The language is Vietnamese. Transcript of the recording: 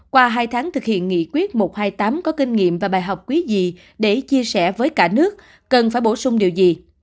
qua hai tháng thực hiện nghị quyết một trăm hai mươi tám có kinh nghiệm và bài học quý gì để chia sẻ với cả nước cần phải bổ sung điều gì